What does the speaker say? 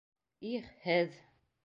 Их, һеҙ!